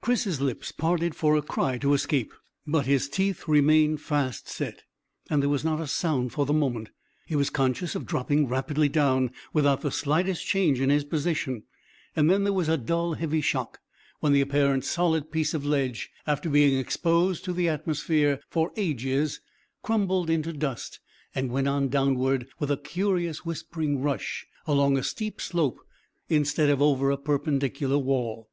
Chris's lips parted for a cry to escape, but his teeth remained fast set, and there was not a sound for the moment. He was conscious of dropping rapidly down without the slightest change in his position, and then there was a dull heavy shock, when the apparently solid piece of ledge, after being exposed to the atmosphere for ages, crumbled into dust and went on downward with a curious whispering rush along a steep slope instead of over a perpendicular wall.